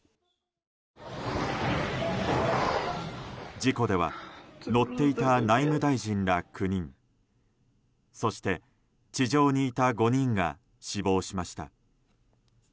事故では乗っていた内務大臣ら９人そして、地上にいた５人が死亡しました。